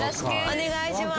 お願いします。